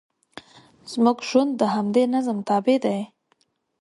زموږ ژوند د همدې نظم تابع دی.